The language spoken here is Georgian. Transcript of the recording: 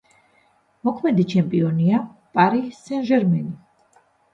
მოქმედი ჩემპიონია „პარი სენ-ჟერმენი“.